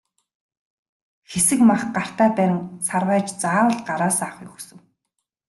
Хэсэг мах гартаа барин сарвайж заавал гараасаа авахыг хүсэв.